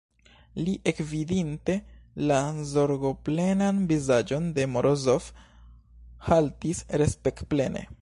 Li, ekvidinte la zorgoplenan vizaĝon de Morozov, haltis respektplene.